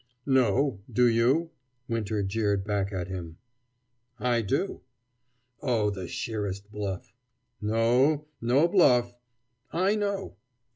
"No. Do you?" Winter jeered back at him. "I do." "Oh, the sheerest bluff!" "No, no bluff. I know."